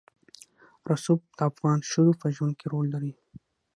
رسوب د افغان ښځو په ژوند کې رول لري.